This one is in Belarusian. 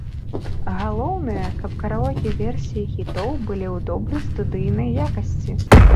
Галоўнае, каб караоке-версіі хітоў былі ў добрай студыйнай якасці.